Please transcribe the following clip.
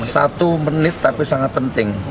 satu menit tapi sangat penting